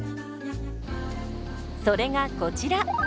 それがこちら。